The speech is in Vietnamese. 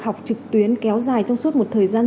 học trực tuyến kéo dài trong suốt một thời gian